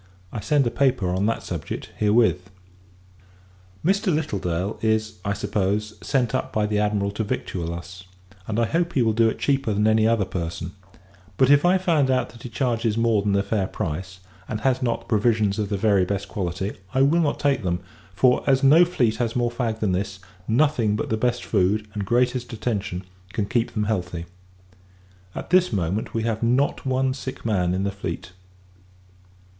I send a paper on that subject, herewith. Mr. Littledale is, I suppose, sent up by the Admiral to victual us, and I hope he will do it cheaper than any other person: but, if I find out that he charges more than the fair price, and has not the provisions of the very best quality, I will not take them; for, as no fleet has more fag than this, nothing but the best food, and greatest attention, can keep them healthy. At this moment, we have not one sick man in the fleet.